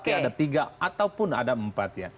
oke ada tiga ataupun ada empat ya